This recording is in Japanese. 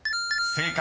［正解。